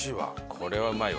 「これはうまいわ。